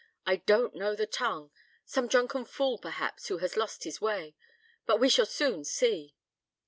I don't know the tongue; some drunken fool, perhaps, who has lost his way; but we shall soon see."